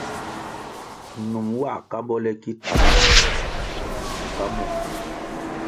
Num nwā kambo le ki tam, bvunga muo.